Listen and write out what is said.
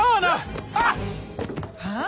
はあ？